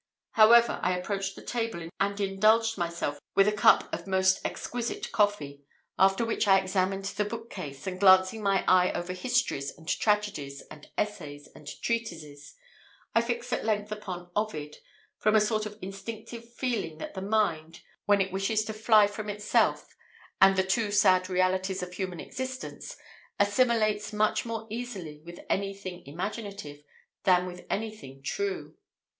However, I approached the table, and indulged myself with a cup of most exquisite coffee; after which I examined the bookcase, and glancing my eye over histories and tragedies, and essays and treatises, I fixed at length upon Ovid, from a sort of instinctive feeling that the mind, when it wishes to fly from itself and the too sad realities of human existence, assimilates much more easily with anything imaginative than with anything true.